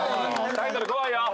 ・タイトル怖いよ。